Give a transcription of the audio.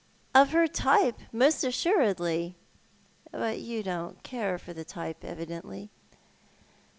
" Of her type, most assuredly." " But you don't care for tlie type, evidently